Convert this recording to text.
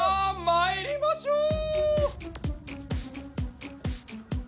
まいりましょう